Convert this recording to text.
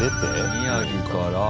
宮城から。